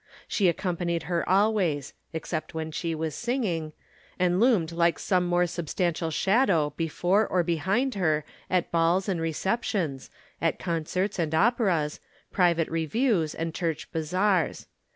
She accompanied her always except when she was singing and loomed like some more substantial shadow before or behind her at balls and receptions, at concerts and operas, private views and church bazaars.